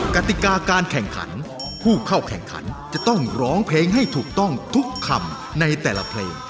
กติกาการแข่งขันผู้เข้าแข่งขันจะต้องร้องเพลงให้ถูกต้องทุกคำในแต่ละเพลง